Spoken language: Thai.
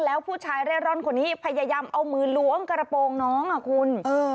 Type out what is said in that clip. แล้วผู้ชายเร่ร่อนคนนี้พยายามเอามือล้วงกระโปรงน้องอ่ะคุณ